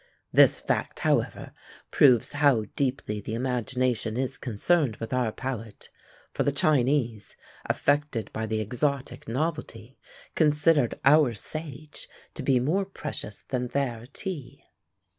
This fact, however, proves how deeply the imagination is concerned with our palate; for the Chinese, affected by the exotic novelty, considered our sage to be more precious than their tea.